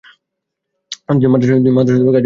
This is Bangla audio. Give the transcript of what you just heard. তিনি মাদরাসা গাজিউদ্দিন খানে ভর্তি হন।